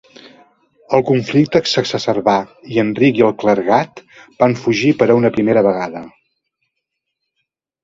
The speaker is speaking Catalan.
El conflicte s'exacerbà i Enric i el clergat van fugir per a una primera vegada.